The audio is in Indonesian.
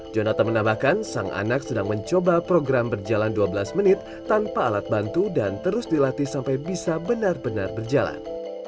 jonathan menambahkan sang anak sedang mencoba program berjalan dua belas menit tanpa alat bantu dan terus dilatih sampai bisa benar benar berjalan